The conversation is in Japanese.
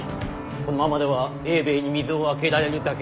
このままでは英米に水をあけられるだけ。